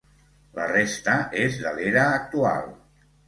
La resta és de l'era actual.